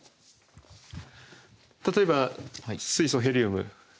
例えば水素ヘリウム。